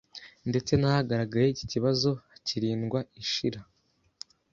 ndetse n’ ahagaragaye iki kibazo hakirindwa ihishira.